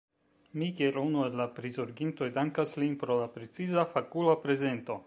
Mi kiel unu el la prizorgintoj dankas lin pro la preciza, fakula prezento.